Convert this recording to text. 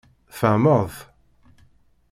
Tfehmeḍ-t?